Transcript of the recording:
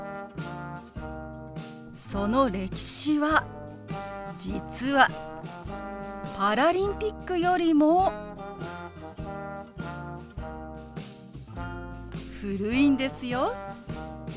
その歴史は実はパラリンピックよりも古いんですよ。